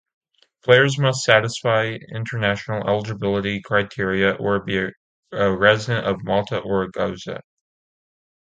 Players must satisfy international eligibility criteria or be a resident of Malta or Gozo.